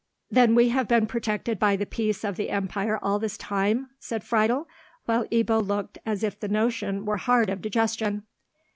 "Then we have been protected by the peace of the empire all this time?" said Friedel, while Ebbo looked as if the notion were hard of digestion.